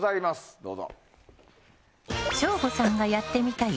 どうぞ。